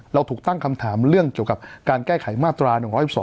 เราถูกตั้งคำถามเรื่องเกี่ยวกับการแก้ไขมาตรา๑๑๒